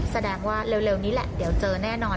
แสดงว่าเร็วนี้แหละเดี๋ยวเจอแน่นอน